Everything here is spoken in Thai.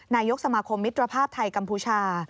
นายกสมาคมมิตรภาพไทยกัมพูชา